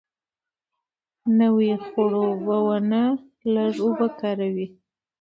نوې خړوبونه لږه اوبه کاروي.